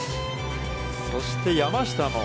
そして山下も。